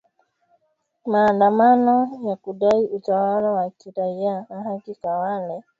maandamano ya kudai utawala wa kiraia na haki kwa wale